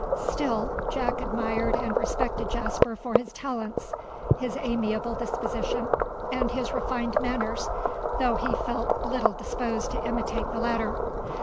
Still, Jack admired and respected Jasper for his talents, his amiable disposition, and his refined manners, though he felt little disposed to imitate the latter.